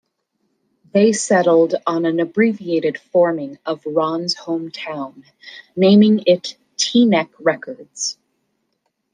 They settled on an abbreviated forming of Ron's hometown, naming it T-Neck Records.